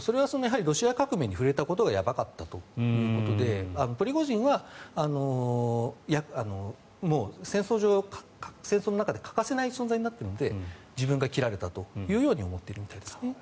それはロシア革命に触れたことがやばかったということでプリゴジンは戦争の中で欠かせない存在になっているので自分が切られたというように思っているみたいですね。